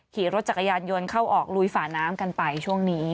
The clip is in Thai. ขี่รถจักรยานยนต์เข้าออกลุยฝาน้ำกันไปช่วงนี้